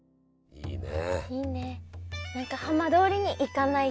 いいね。